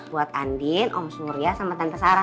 buat andin om surya sama tante sarah